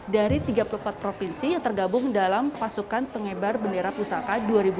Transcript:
dari tiga puluh empat provinsi yang tergabung dalam pasukan pengebar bendera pusaka dua ribu dua puluh